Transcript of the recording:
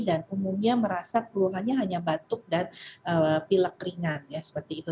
dan umumnya merasa keluhannya hanya batuk dan pilek ringan ya seperti itu